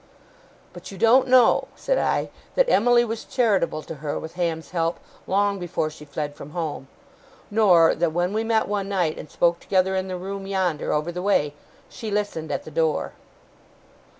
'But you don't know,' said I, 'that Emily was charitable to her, with Ham's help, long before she fled from home. Nor, that, when we met one night, and spoke together in the room yonder, over the way, she listened at the door.